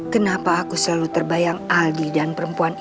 kenapa aku selalu terbayang aldi dan perempuan